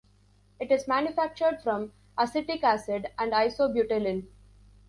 It is manufactured from acetic acid and isobutylene.